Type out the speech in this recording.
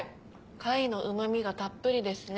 貝のうま味がたっぷりですね。